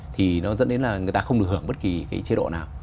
thì nó dẫn đến là người ta không được hưởng bất kỳ cái chế độ nào